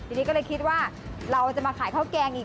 ทีนี้ก็เลยคิดว่าเราจะมาขายข้าวแกงอีก